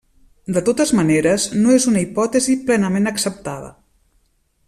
De totes maneres, no és una hipòtesi plenament acceptada.